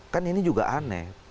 kan ini juga aneh